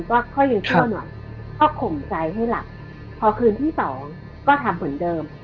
ก็ค่อยยังชั่วหน่อยก็ข่มใจให้หลับพอคืนที่สองก็ทำเหมือนเดิม